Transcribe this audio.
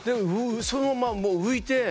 そのままもう浮いて。